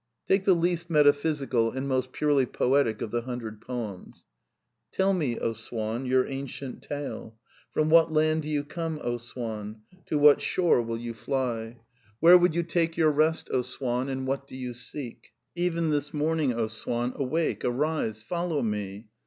Take the least metaphysical and most purely poetic of the Hundred Poems: xn " Tell me, O Swan, your ancient tale. From what land do you come, O Swan! to what shore will you fly? 284 A DEFENCE OF IDEALISM Where would you take your rest, O Swan, and what do you seek? '^Even this morning, O Swan, awake, arise, follow me!